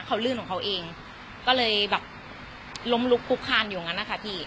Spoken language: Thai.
เขาลื่นของเขาเองก็เลยแบบล้มลุกคุกคานอยู่อย่างนั้นนะคะพี่